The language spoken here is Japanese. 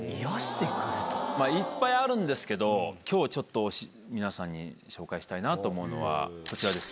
いっぱいあるんですけど今日ちょっと皆さんに紹介したいなと思うのはこちらです